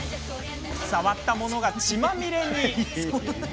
触ったものが血まみれに。